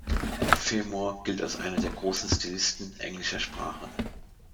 Fermor gilt als einer der großen Stilisten englischer Sprache.